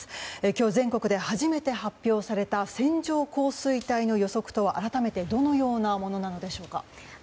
今日、全国で初めて発表された線状降水帯の予測とは改めてどのようなものなのでしょうか。